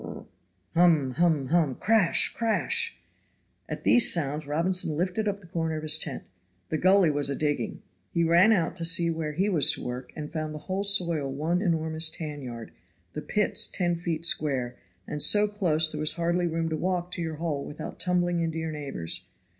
Gn l r r r. Hum! hum! hum! Crash! crash! At these sounds Robinson lifted up the corner of his tent. The gully was a digging. He ran out to see where he was to work, and found the whole soil one enormous tan yard, the pits ten feet square, and so close there was hardly room to walk to your hole without tumbling into your neighbor's.